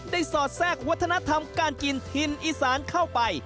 สอดแทรกวัฒนธรรมการกินถิ่นอีสานเข้าไป